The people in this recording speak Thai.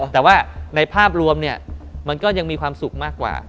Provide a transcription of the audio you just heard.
แต่ว่าในภาพรวมเนี่ยมันก็ยังมีความสุขมากกว่า